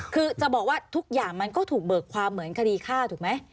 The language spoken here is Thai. คือจะบอกว่าทุกอย่างมันก็ถูกเบิกความเหมือนคดีฆ่าถูกไหม